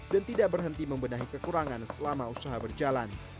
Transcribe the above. dan tidak berhenti membenahi kekurangan selama usaha berjalan